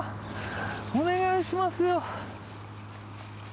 お願いしますよ